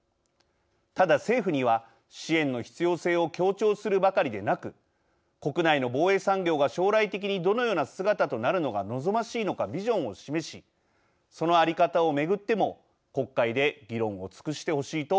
ただ政府には支援の必要性を強調するばかりでなく国内の防衛産業が将来的にどのような姿となるのが望ましいのかビジョンを示しその在り方を巡っても国会で議論を尽くしてほしいと思います。